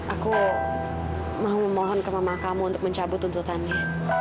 aku mau memohon ke mama kamu untuk mencabut tuntutannya